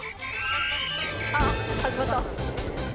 あっ始まった。